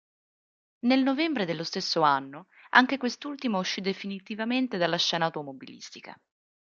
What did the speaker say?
Nel novembre dello stesso anno, anche quest'ultima uscì definitivamente dalla scena automobilistica.